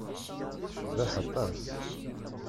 Tecbeḥ aṭas.